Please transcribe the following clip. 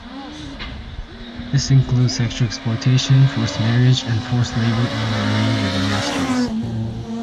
This includes sexual exploitation, forced marriage, and forced labour in a range of industries.